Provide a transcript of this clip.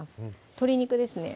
鶏肉ですね